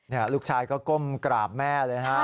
นี่ลูกชายก็ก้มกราบแม่เลยฮะ